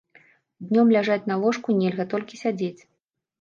Днём ляжаць на ложку нельга, толькі сядзець.